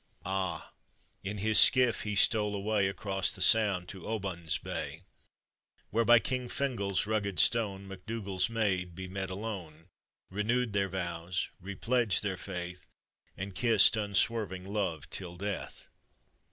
Ah! in his skiff he stole away Across the Sound to Oban's bay,} "Where, by King Fingal's rugged stone, MacDougall's maid he met alone — Renewed their vows, re pledged their faith, And kissed unswerving love till death.